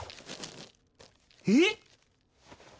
えっ！？